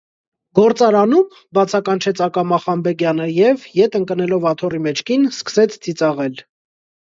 - Գործարանո՞ւմ,- բացականչեց ակամա Խանբեգյանը և, ետ ընկնելով աթոռի մեջքին, սկսեց ծիծաղել: